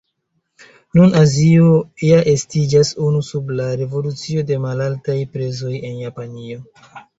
Nun Azio ja estiĝas unu sub la revolucio de malaltaj prezoj en Japanio.